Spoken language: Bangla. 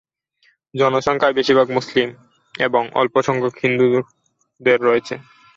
জনসংখ্যায় বেশিরভাগ মুসলিম এবং অল্প সংখ্যক হিন্দুদের রয়েছে।